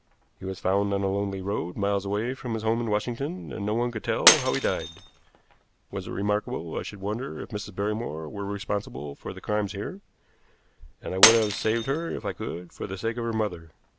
He was found on a lonely road miles away from his home in Washington, and no one could tell how he died. Was it remarkable I should wonder if Mrs. Barrymore were responsible for the crimes here? And I would have saved her if I could, for the sake of her mother.